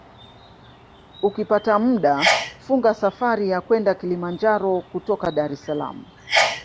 Ukipata muda funga safari ya kwenda Kilimanjaro kutoka Dar es Salaam